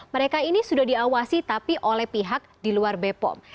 mereka ini sudah diawasi tapi oleh pihak di luar bepom